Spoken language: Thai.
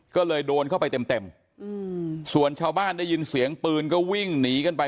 ก็เลยโดนเข้าไปเต็มเต็มส่วนชาวบ้านได้ยินเสียงปืนก็วิ่งหนีกันไป